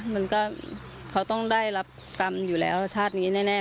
มันก็เขาต้องได้รับกรรมอยู่แล้วชาตินี้แน่